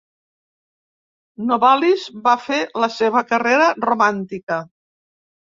Novalis va fer la seva carrera romàntica.